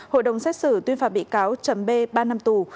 hội đồng xét xử tuyên phạt bị cáo trầm b ba năm tù